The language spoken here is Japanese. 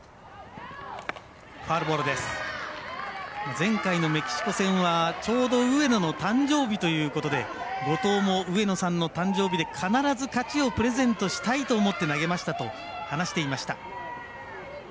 前回のメキシコ戦はちょうど、上野の誕生日ということで後藤も、上野さんの誕生日で必ず勝ちをプレゼントしたいと思って投げましたと話していました。